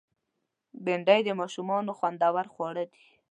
بېنډۍ د ماشومانو خوند خوړ دی